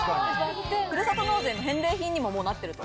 ・ふるさと納税の返礼にももうなってると。